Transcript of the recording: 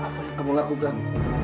apa yang kamu lakukan